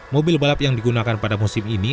mobil balap yang digunakan pada musim ini